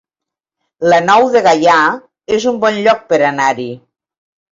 La Nou de Gaià es un bon lloc per anar-hi